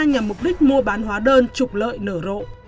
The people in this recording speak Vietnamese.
nhằm mục đích mua bán hóa đơn trục lợi nở rộ